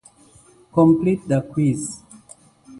complete the quiz.